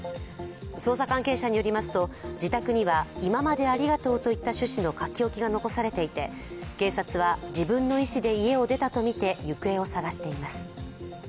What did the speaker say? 捜査関係者によりますと自宅には「今までありがとう」といった趣旨の書き置きが残されていて警察は自分の意思で家を出たとみて行方を捜しています。